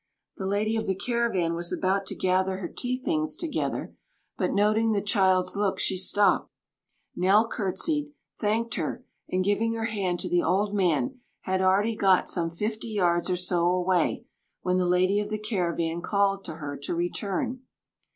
The lady of the caravan was about to gather her tea things together, but noting the child's look, she stopped. Nell curtsied, thanked her, and giving her hand to the old man, had already got some fifty yards or so away, when the lady of the caravan called to her to return.